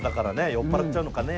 酔っぱらっちゃうのかね。